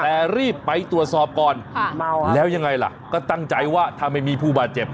แต่รีบไปตรวจสอบก่อนแล้วยังไงล่ะก็ตั้งใจว่าถ้าไม่มีผู้บาดเจ็บ